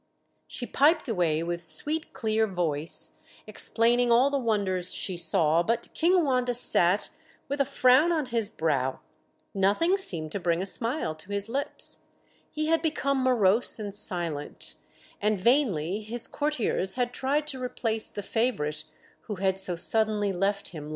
She piped away with sweet clear voice, explaining all the wonders she saw; but King Wanda sat with a frown on his brow; nothing seemed to bring a smile to his lips; he had become morose and silent, and vainly his courtiers had tried to replace the favourite who had so suddenly left him long ago.